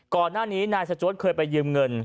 ก่อนหน้านี้นายสจวดเคยไปยืมเงิน